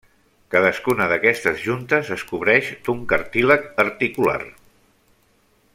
Cadascuna d'aquestes juntes es cobreix d'un cartílag articular.